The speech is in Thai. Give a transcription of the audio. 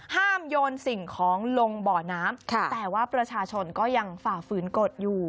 โยนสิ่งของลงบ่อน้ำแต่ว่าประชาชนก็ยังฝ่าฝืนกฎอยู่